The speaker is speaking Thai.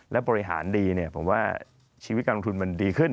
และบริหารดีผมว่าชีวิตการลงทุนมันดีขึ้น